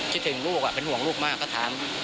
คิดถึงลูกเป็นห่วงลูกมากก็ถาม